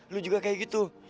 lo juga kayak gitu